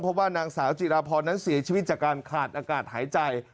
เพราะว่านางสาวจิราพรนั้นเสียชีวิตจากการขาดอากาศหายใจ